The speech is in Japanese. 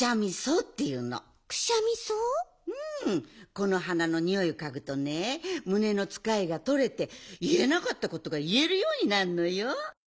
この花のにおいをかぐとねむねのつかえがとれていえなかったことがいえるようになるのよ。